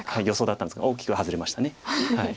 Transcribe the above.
予想だったんですけど大きく外れました。